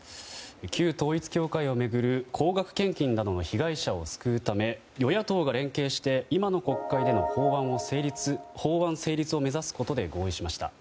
旧統一教会を巡る高額献金などの被害者を救うため与野党が連携して今の国会での法案成立を目指すことで合意しました。